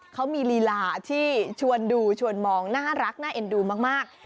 เขามีลีลาที่ชวนดูชวนมองน่ารักน่าเอ็นดูมาก